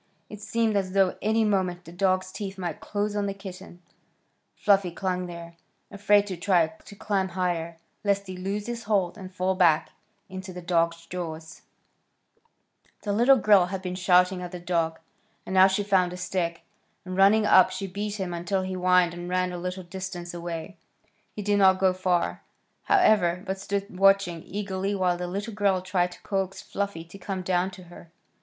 It seemed as though any moment the dog's teeth might close on the kitten. Fluffy clung there, afraid to try to climb higher, lest he lose his hold, and fall back into the dog's jaws. [Illustration: It seemed as though any moment the dog's teeth might close on the kitten ] The little girl had been shouting at the dog, and now she found a stick, and running up she beat him until he whined and ran a little distance away. He did not go far, however, but stood watching eagerly while the little girl tried to coax Fluffy to come down to her.